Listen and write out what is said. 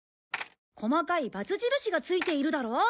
細かいバツ印がついているだろう？